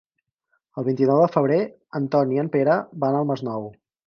El vint-i-nou de febrer en Ton i en Pere van al Masnou.